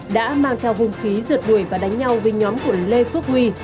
đã mang theo hung khí rượt đuổi và đánh nhau với nhóm của lê phước huy